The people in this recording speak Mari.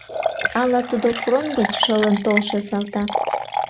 Ала тудо фронт гыч шылын толшо салтак?